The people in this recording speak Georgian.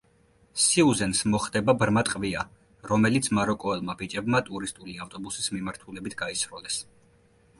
სიუზენს მოხდება ბრმა ტყვია, რომელიც მაროკოელმა ბიჭებმა ტურისტული ავტობუსის მიმართულებით გაისროლეს.